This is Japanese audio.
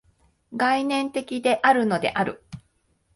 概念的であるのである。